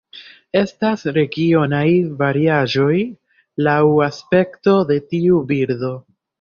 Estas regionaj variaĵoj laŭ aspekto de tiu birdo.